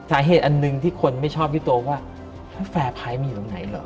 อันหนึ่งที่คนไม่ชอบพี่โตว่าแฟร์ไพรส์มันอยู่ตรงไหนเหรอ